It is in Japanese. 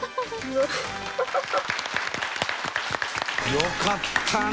よかったね！